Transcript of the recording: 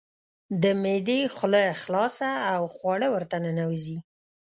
د معدې خوله خلاصه او خواړه ورته ننوزي.